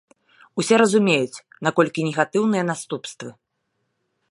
Усе разумеюць, наколькі негатыўныя наступствы.